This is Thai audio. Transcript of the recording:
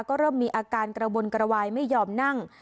ก็เริ่มมีอาการกระวนกระวายไม่ยอมนั่ง